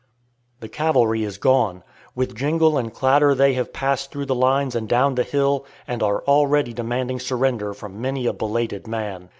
The cavalry is gone. With jingle and clatter they have passed through the lines and down the hill, and are already demanding surrender from many a belated man.